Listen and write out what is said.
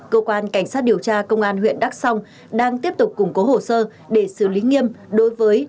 cơ quan cảnh sát điều tra công an huyện đắk song đang tiếp tục củng cố hồ sơ để xử lý nghiêm đối với